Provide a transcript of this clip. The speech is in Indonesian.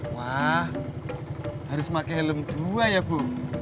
wah harus pakai helm dua ya bu